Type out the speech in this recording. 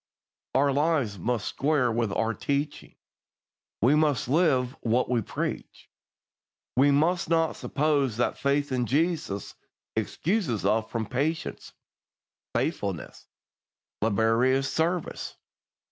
Our lives must square with our teaching. We must live what we preach. We must not suppose that faith in Jesus excuses us from patient, faithful, laborious service.